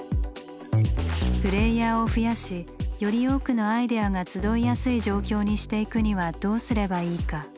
プレイヤーを増やしより多くのアイデアが集いやすい状況にしていくにはどうすればいいか？